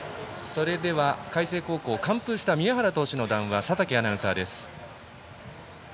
それでは、海星高校完封した宮原投手の談話佐竹アナウンサーです。